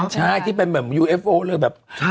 ใช่ที่เป็นเหมือนวัฒนธ์แหล่ง